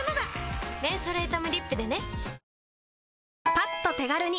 パッと手軽に！